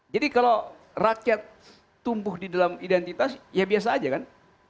jadi kalau rakyat tumbuh di dalam identitas ya biasa saja kan